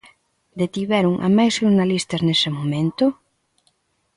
Detiveron a máis xornalistas nese momento?